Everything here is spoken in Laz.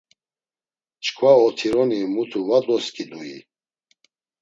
Çkva otironi mutu va doskidui?